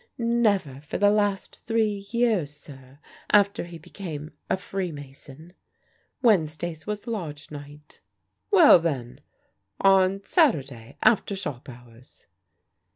"Never for the last three years, sir, after he became a Freemason. Wednesdays was lodge night." "Well then, on Saturday, after shop hours?"